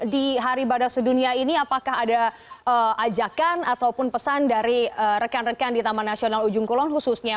di hari badak sedunia ini apakah ada ajakan ataupun pesan dari rekan rekan di taman nasional ujung kulon khususnya